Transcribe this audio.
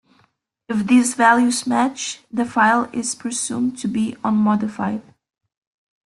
If these values match, the file is presumed to be unmodified.